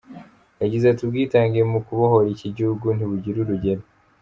Yagize ati “Ubwitange mu kubohora iki gihugu ntibugira urugero.